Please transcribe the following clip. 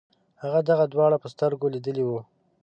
هغه دغه دواړه په سترګو لیدلي وو.